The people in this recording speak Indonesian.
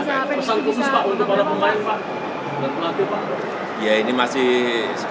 pesan khusus pak untuk para pemain pak